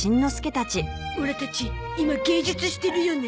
オラたち今芸術してるよね。